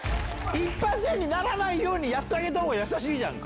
一発屋にならないようにやってあげたほうが優しいじゃんか。